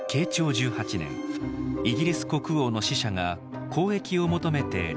１８年イギリス国王の使者が交易を求めて来日したのです。